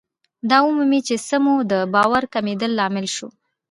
دا ومومئ چې څه مو د باور کمېدو لامل شو.